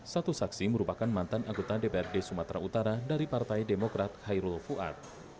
satu saksi merupakan mantan anggota dprd sumatera utara dari partai demokrat khairul fuad